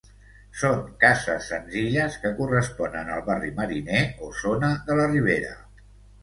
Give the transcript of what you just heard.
Són cases senzilles que corresponen al barri mariner o zona de la Ribera.